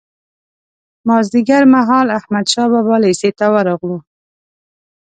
مازیګر مهال احمدشاه بابا لېسې ته ورغلو.